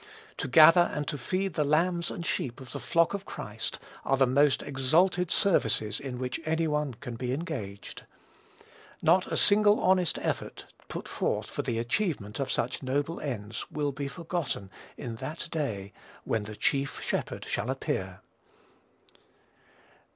To gather and to feed the lambs and sheep of the flock of Christ are the most exalted services in which any one can be engaged. Not a single honest effort put forth for the achievement of such noble ends will be forgotten in that day "when the Chief Shepherd shall appear."